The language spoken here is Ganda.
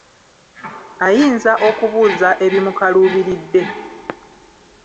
Ayinza okubuuza ebimukaluubiridde.